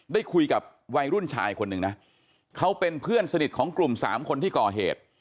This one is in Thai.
ได้คุยกับวัยรุ่นชายคนหนึ่งนะเขาเป็นเพื่อนสนิทของกลุ่มสามคนที่ก่อเหตุ